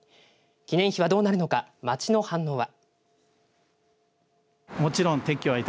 記念碑はどうなるのか町の反応は。